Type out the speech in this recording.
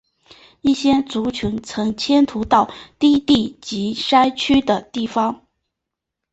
一些族群曾迁徙到低地及山区的地方。